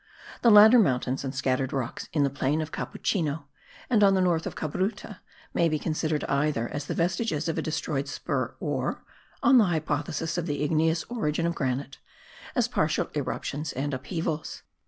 The latter mountains and scattered rocks in the plain of the Capuchino and on the north of Cabruta may be considered either as the vestiges of a destroyed spur or (on the hypothesis of the igneous origin of granite) as partial eruptions and upheavings.